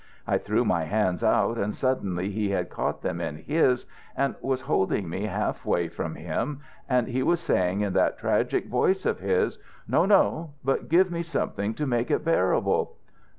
I threw my hands out, and suddenly he had caught them in his and was holding me half away from him, and he was saying, in that tragic voice of his: "'No, no! But give me something to make it bearable.'"